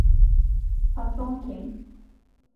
Patron kim?